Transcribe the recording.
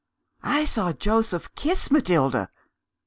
"I saw Joseph kiss Matilda!"